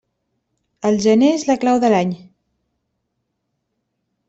El gener és la clau de l'any.